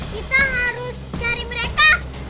kita harus cari mereka